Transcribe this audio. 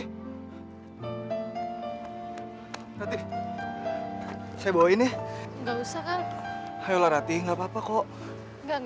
hai ratih saya bawain ya enggak usah kan ayolah ratih nggak papa kok nggak